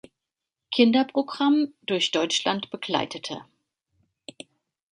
Kinderprogramm durch Deutschland begleitete.